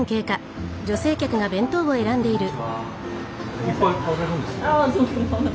こんにちは。